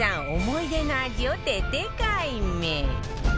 思い出の味を徹底解明